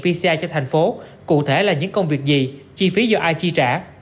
vci cho thành phố cụ thể là những công việc gì chi phí do ai chi trả